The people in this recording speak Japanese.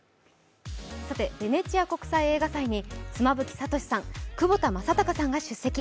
ベネチア国際映画祭に妻夫木聡さん、窪田正孝さんが出席。